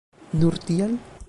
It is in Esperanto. Nur tial?